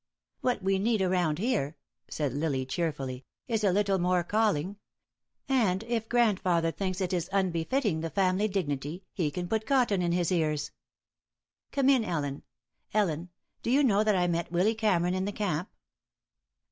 "What we need around here," said Lily, cheerfully, "is a little more calling. And if grandfather thinks it is unbefitting the family dignity he can put cotton in his ears. Come in, Ellen. Ellen, do you know that I met Willy Cameron in the camp?"